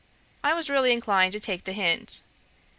I was really inclined to take the hint.